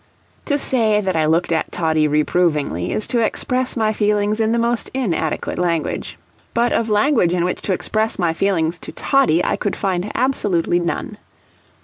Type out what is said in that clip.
To say that I looked at Toddie reprovingly is to express my feelings in the most inadequate language, but of language in which to express my feelings to Toddie. I could find absolutely none.